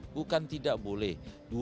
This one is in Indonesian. bukan tidak boleh